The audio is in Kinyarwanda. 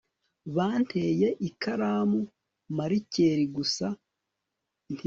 banteye ikaramu, marikeri, gusa ntibantemye